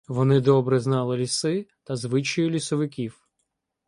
Вони добре знали ліси та звичаї лісовиків.